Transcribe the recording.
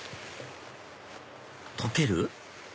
溶ける？